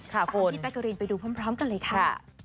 ตามพี่แจ๊กกะรีนไปดูพร้อมกันเลยค่ะ